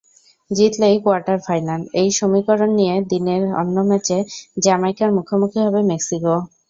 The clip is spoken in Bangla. জিতলেই কোয়ার্টার ফাইনাল—এই সমীকরণ নিয়ে দিনের অন্য ম্যাচে জ্যামাইকার মুখোমুখি হবে মেক্সিকো।